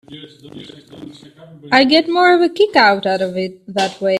I get more of a kick out of it that way.